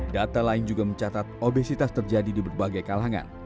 data lain juga mencatat obesitas terjadi di berbagai kalangan